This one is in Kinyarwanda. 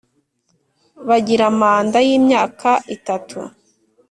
Bagira manda y ‘imyaka itatu .